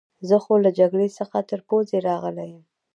زه خو له جګړې څخه تر پوزې راغلی یم.